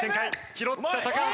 拾った橋。